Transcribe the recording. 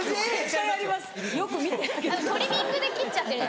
トリミングで切っちゃってる。